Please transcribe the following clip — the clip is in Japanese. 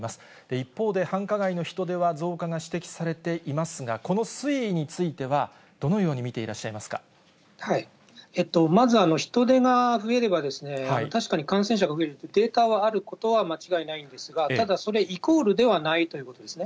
一方で、繁華街の人出は増加が指摘されていますが、この推移についてはどまず、人出が増えれば確かに感染者が増えるっていうデータはあることは間違いないんですが、ただ、それイコールではないということですね。